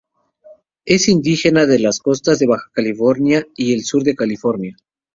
Es indígena de las costas de Baja California y el sur de California.